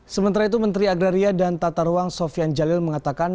sementara itu menteri agraria dan tata ruang sofian jalil mengatakan